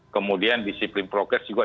kemudian disiplin progres juga